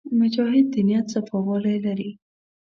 مجاهد د نیت صفاوالی لري.